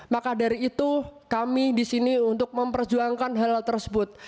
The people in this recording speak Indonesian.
maka dari itu kami di sini untuk memperjuangkan hal tersebut